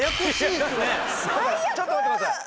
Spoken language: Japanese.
ちょっと待って下さい。